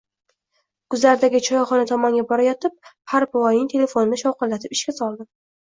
Guzardagi choyxona tomonga borayotib, Parpivoyning telefonini shovqinlatib ishga soldim